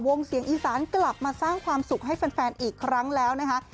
เสียงอีสานกลับมาสร้างความสุขให้แฟนอีกครั้งแล้วนะคะ